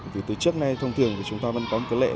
thì từ trước nay thông thường thì chúng ta vẫn có một cái lệ